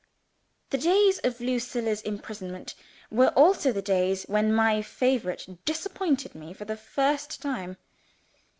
The days of Lucilla's imprisonment, were also the days when my favorite disappointed me, for the first time.